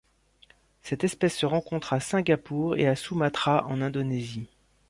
Cette espèce se rencontre à Singapour et à Sumatra en Indonésie.